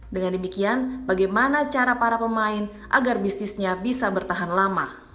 dengan demikian bagaimana cara para pemain agar bisnisnya bisa bertahan lama